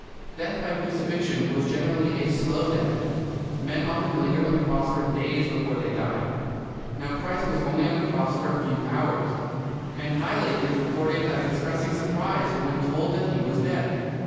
Death by crucifixion was generally a slow death. Men often lingered on the cross for days before they died. Now, Christ was only on the cross for a few hours; and Pilate is reported as expressing surprise when told that he was dead.